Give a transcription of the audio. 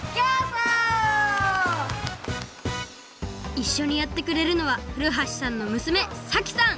いっしょにやってくれるのは古橋さんの娘咲季さん！